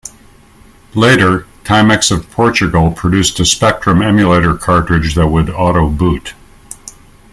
Later, Timex of Portugal produced a Spectrum emulator cartridge that would auto-boot.